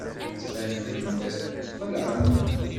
Tettbanem-d txelɛem.